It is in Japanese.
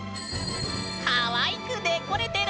かわいくデコれてる。